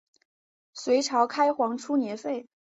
隋朝开皇初年废。